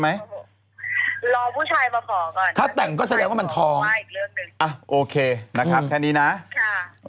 ไม่ท้องแค่งานแค่เป็นแฟนอ่าเดี๋ยวนับวันกัน